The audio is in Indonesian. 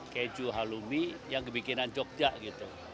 keju halumi yang kebikinan jogja gitu